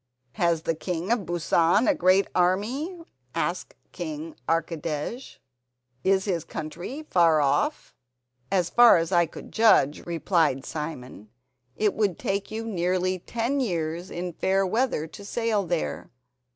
"Has the king of Busan a great army?" asked King Archidej; "is his country far off?" "As far as I could judge," replied Simon, "it would take you nearly ten years in fair weather to sail there.